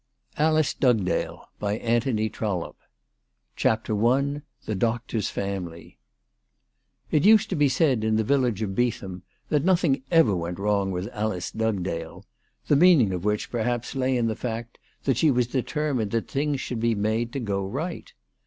ALICE DUGDALE. ALICE DUGDALE. CHAPTER I. TT used to be said in the village of Beetham that * nothing ever went wrong with Alice Dugdale, the meaning of which, perhaps, lay in the fact that she was determined that things should be made to go right.